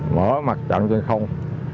mở mặt trận trên không